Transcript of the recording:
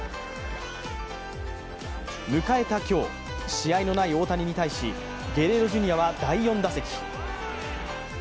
迎えた今日試合のない大谷に対しゲレーロジュニアは第４打席。